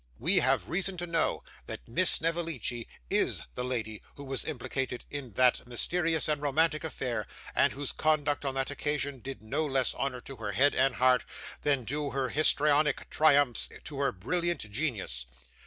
We have reason to know that Miss Snevellicci IS the lady who was implicated in that mysterious and romantic affair, and whose conduct on that occasion did no less honour to her head and heart, than do her histrionic triumphs to her brilliant genius.